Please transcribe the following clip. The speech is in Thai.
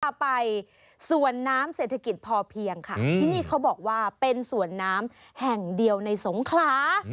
เอาไปสวนน้ำเศรษฐกิจพอเพียงค่ะที่นี่เขาบอกว่าเป็นสวนน้ำแห่งเดียวในสงขลา